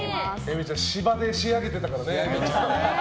めちゃん芝で仕上げてたからね。